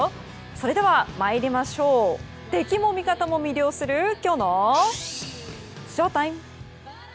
それでは参りましょう敵も味方も魅了するきょうのＳＨＯＴＩＭＥ。